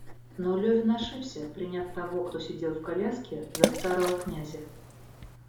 Но Левин ошибся, приняв того, кто сидел в коляске, за старого князя.